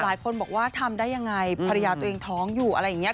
หลายคนบอกว่าทำได้ยังไงภรรยาตัวเองท้องอยู่อะไรอย่างนี้